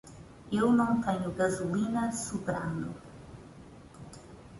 Eu não tenho gasolina sobrando.